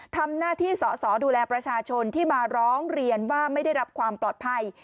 ทำหน้าที่สอสอดูแลประชาชนที่มาร้องเรียนว่าไม่ได้รับความปลอดภัย